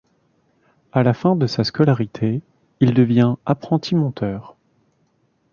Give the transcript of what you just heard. À la fin de sa scolarité, il devient apprenti monteur.